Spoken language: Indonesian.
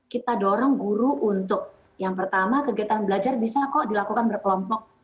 kita dorong guru untuk yang pertama kegiatan belajar bisa kok dilakukan berkelompok